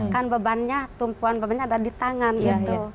kan bebannya tumpuan bebannya ada di tangan gitu